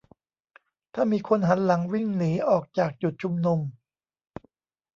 ถ้ามีคนหันหลังวิ่งหนีออกจากจุดชุมนุม